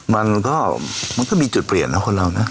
มันก็มันก็มีจุดเปลี่ยนนะคนเรานะ